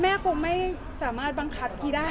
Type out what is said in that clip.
คงไม่สามารถบังคับกี้ได้